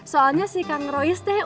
soalnya si kang rois teh